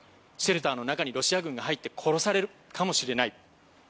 シェルターの中にロシア軍が入ってきて殺されるかもしれない。